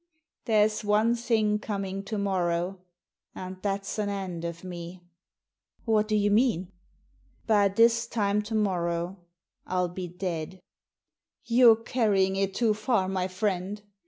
There's one thing coming to morrow, and that's an end of me." "What do you mean?" " By this time to morrow I'll be dead." " You're carrying it too far, my friend."